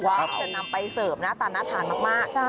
ว้าวจะนำไปเสิร์ฟนะต่างทานมาก